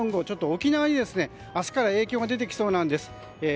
沖縄に明日から影響が出てきそうなんです。